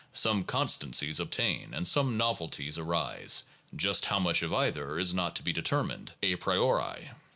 Some constancies obtain, and some novelties arise; just how much of either is not to be determined a priori.